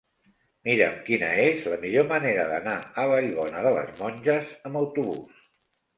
Mira'm quina és la millor manera d'anar a Vallbona de les Monges amb autobús.